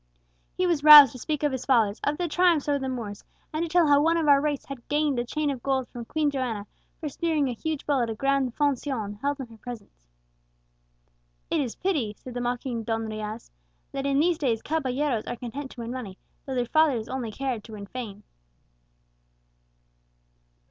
He was roused to speak of his fathers, of their triumphs over the Moors, and to tell how one of our race had gained a chain of gold from Queen Joanna for spearing a huge bull at a gran foncion held in her presence. 'It is pity,' said the mocking Don Riaz, 'that in these days caballeros are content to win money, though their fathers only cared to win fame.'